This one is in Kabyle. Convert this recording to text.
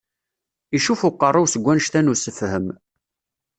Icuf uqerru-w seg wanect-a n usefhem.